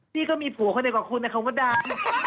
พี่ก็มีผัวคนเดียวกว่าคุณนะคะมดดำ